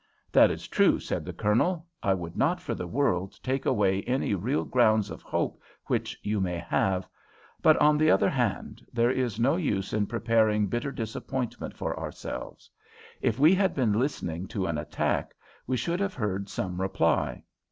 "That is true," said the Colonel. "I would not for the world take away any real grounds of hope which you may have; but, on the other hand, there is no use in preparing bitter disappointments for ourselves. If we had been listening to an attack, we should have heard some reply.